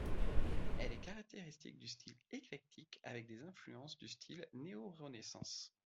Elle est caractéristique du style éclectique avec des influences du style néo-Renaissance.